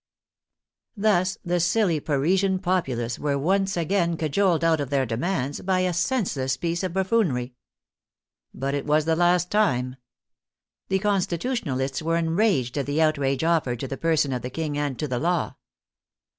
Thus the silly Parisian populace were once again cajoled out of their demands by a senseless piece of buf foonery. But it was the last time. The Constitutional ists were enraged at the outrage offered to the person of the King and to the Law.